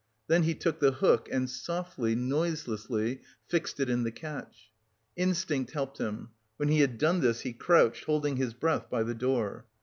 Then he took the hook and softly, noiselessly, fixed it in the catch. Instinct helped him. When he had done this, he crouched holding his breath, by the door.